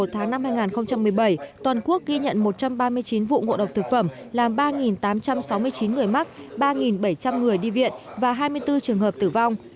một tháng năm hai nghìn một mươi bảy toàn quốc ghi nhận một trăm ba mươi chín vụ ngộ độc thực phẩm làm ba tám trăm sáu mươi chín người mắc ba bảy trăm linh người đi viện và hai mươi bốn trường hợp tử vong